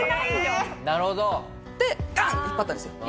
なるほど。でガンッて引っ張ったんですよ。